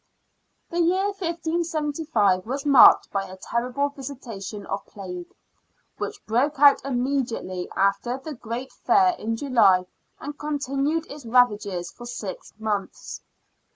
The year 1575 was marked by a terrible visitation of plague, which broke out immediately after the great fair in July and continued its ravages for six months.